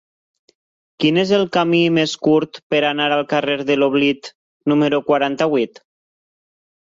Quin és el camí més curt per anar al carrer de l'Oblit número quaranta-vuit?